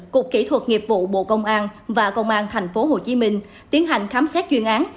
cục kỹ thuật nghiệp vụ bộ công an và công an tp hcm tiến hành khám xét chuyên án